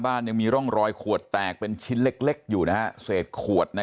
ยังมีร่องรอยขวดแตกเป็นชิ้นเล็กอยู่นะฮะเศษขวดนะ